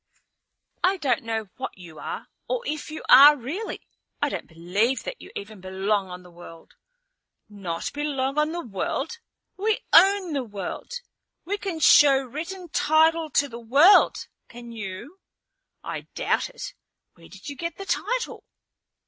"I don't know what you are, or if you are really. I don't believe that you even belong on the world." "Not belong on the world! We own the world. We can show written title to the world. Can you?" "I doubt it. Where did you get the title?"